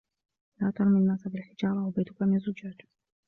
لا ترمي الناس بالحجارة وبيتك من زجاج.